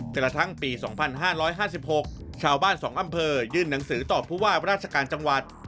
กระทั่งปี๒๕๕๖ชาวบ้าน๒อำเภอยื่นหนังสือต่อผู้ว่าราชการจังหวัด